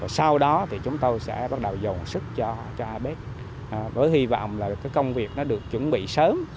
sau đó thì chúng tôi sẽ bắt đầu dồn sức cho bếp với hy vọng là cái công việc nó được chuẩn bị sớm